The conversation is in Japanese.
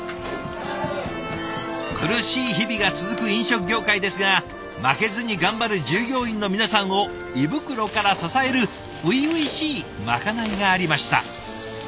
苦しい日々が続く飲食業界ですが負けずに頑張る従業員の皆さんを胃袋から支える初々しいまかないがありました。